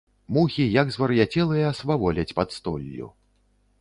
Мухі, як звар'яцелыя, сваволяць пад столлю.